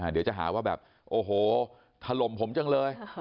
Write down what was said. เดี๋ยวจะหาว่าแบบโอ้โหถล่มผมจังเลย